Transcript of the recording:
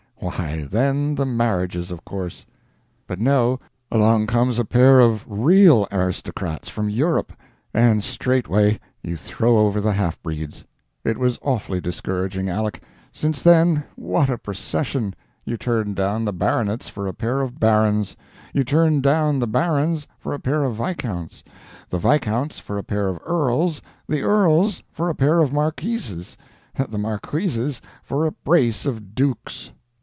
why, then the marriages, of course. But no, along comes a pair of real aristocrats from Europe, and straightway you throw over the half breeds. It was awfully discouraging, Aleck! Since then, what a procession! You turned down the baronets for a pair of barons; you turned down the barons for a pair of viscounts; the viscounts for a pair of earls; the earls for a pair of marquises; the marquises for a brace of dukes.